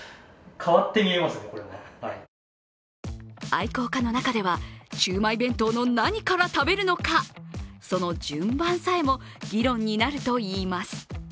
愛好家の中ではシウマイ弁当の何から食べるのかその順番さえも議論になるといいます。